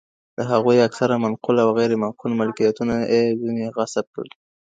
د هغوی اکثره منقول او غير منقول ملکيتونه ئې ځني غصب کړل.